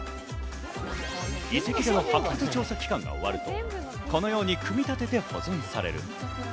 遺跡から発掘調査期間が終わると、このように組み立てて保存される。